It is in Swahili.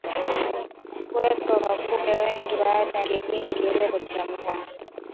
Kuwepo kwa kupe wengi baada ya kipindi kirefu cha mvua